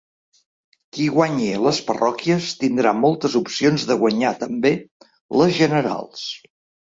Qui guanyi les parròquies tindrà moltes opcions de guanyar també les generals.